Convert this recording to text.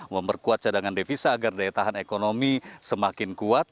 memperkuat cadangan devisa agar daya tahan ekonomi semakin kuat